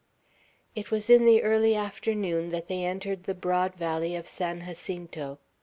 It was in the early afternoon that they entered the broad valley of San Jacinto.